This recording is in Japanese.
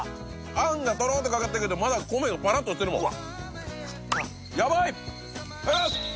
あんがトロッてかかってるけどまだ米がパラッとしてるもんうわっ